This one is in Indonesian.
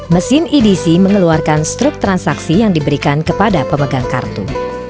mesin edc mengeluarkan struk transaksi yang diberikan kepada pemegang kartu